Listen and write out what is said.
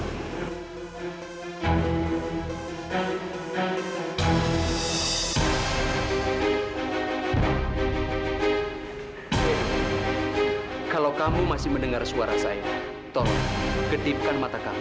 kalau kamu masih mendengar suara saya tolong ketipkan mata kami